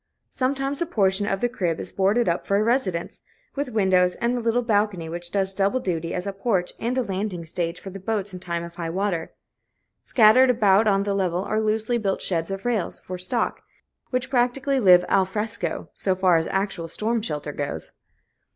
Sometimes a portion of the crib is boarded up for a residence, with windows, and a little balcony which does double duty as a porch and a landing stage for the boats in time of high water. Scattered about on the level are loosely built sheds of rails, for stock, which practically live al fresco, so far as actual storm shelter goes.